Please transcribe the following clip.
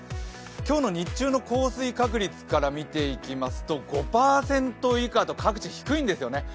今日の日中の降水確率から見ていきますと５％以下と各地低いんですよね。